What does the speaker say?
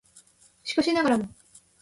しかしながらも